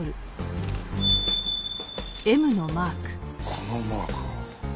このマークは。